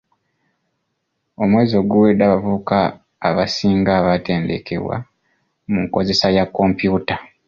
Omwezi oguwedde abavubuka abasinga batendekebwa mu nkozesa ya kompyuta.